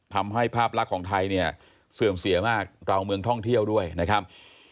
ภาพลักษณ์ของไทยเนี่ยเสื่อมเสียมากราวเมืองท่องเที่ยวด้วยนะครับ